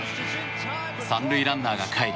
３塁ランナーがかえり